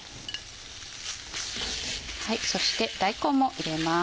そして大根も入れます。